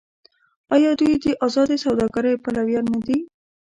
آیا دوی د ازادې سوداګرۍ پلویان نه دي؟